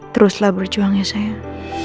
teruslah berjuang ya sayang